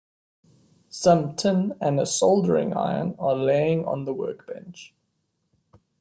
Some tin and a soldering iron are laying on the workbench.